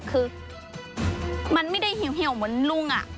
คือมันไม่ได้เหี่ยวเหมือนลุง